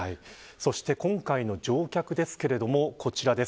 そして今回の乗客ですがこちらです。